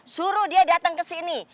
suruh dia dateng kesini